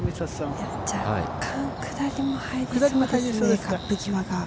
若干下りも入りそうですね、カップ際が。